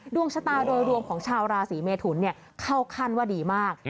ดวงชะตาโดยรวมของชาวราศีเมทุนเข้าขั้นว่าดีมาก